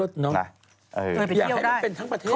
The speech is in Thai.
ท่านอยากให้มันเป็นทั้งประเทศแรก